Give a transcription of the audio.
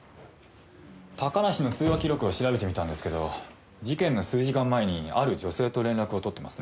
高梨の通話記録を調べてみたんですけど事件の数時間前にある女性と連絡を取ってますね。